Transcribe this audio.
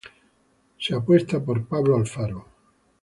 Se apuesta por Pablo Alfaro.